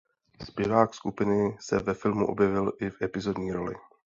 Zpěvák skupiny se ve filmu objevil i v epizodní roli.